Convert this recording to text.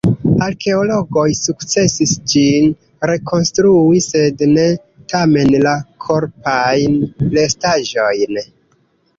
Arkeologoj sukcesis ĝin rekonstrui, sed ne, tamen, la korpajn restaĵojn.